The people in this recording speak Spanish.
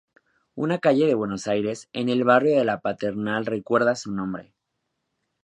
Una calle de Buenos Aires, en el barrio de La Paternal recuerda su nombre.